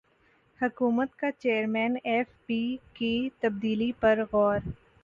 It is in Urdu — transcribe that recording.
حکومت کا چیئرمین ایف بی کی تبدیلی پر غور